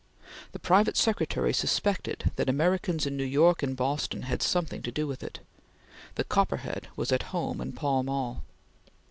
The private secretary suspected that Americans in New York and Boston had something to do with it. The Copperhead was at home in Pall Mall.